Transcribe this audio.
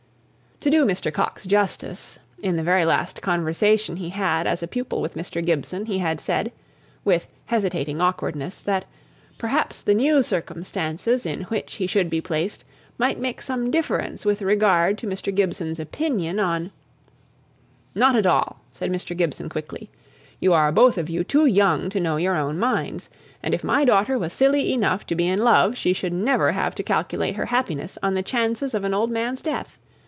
To do Mr. Coxe justice, in the very last conversation he had as a pupil with Mr. Gibson he said, with hesitating awkwardness, that perhaps the new circumstances in which he should be placed might make some difference with regard to Mr. Gibson's opinion on "Not at all," said Mr. Gibson, quickly. "You are both of you too young to know your own minds; and if my daughter was silly enough to be in love, she should never have to calculate her happiness on the chances of an old man's death.